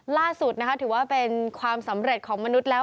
ล่าสุดนะคะถือว่าเป็นความสำเร็จของมนุษย์แล้ว